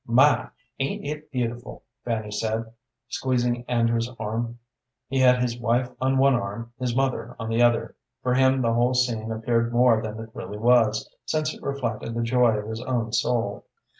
"My, ain't it beautiful!" Fanny said, squeezing Andrew's arm. He had his wife on one arm, his mother on the other. For him the whole scene appeared more than it really was, since it reflected the joy of his own soul.